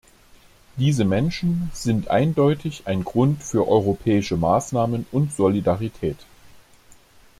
Diese Menschen sind eindeutig ein Grund für europäische Maßnahmen und Solidarität.